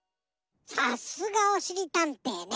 さすがおしりたんていね。